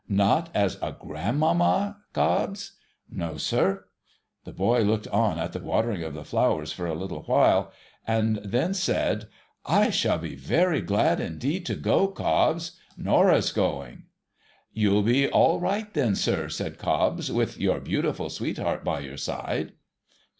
' Not as a grandmamma, Cobbs ?'' No, sir.' The boy looked on at the watering of the flowers for a little while, and then said, ' I shall be very glad indeed to go, Cobbs, — Norah's going.' ' You'll be all right then, sir,' says Cobbs, ' with your beautiful sweetheart by your side.'